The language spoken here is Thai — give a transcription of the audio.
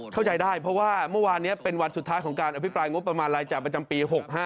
เข้าใจได้เพราะว่าเมื่อวานนี้เป็นวันสุดท้ายของการอภิปรายงบประมาณรายจ่ายประจำปี๖๕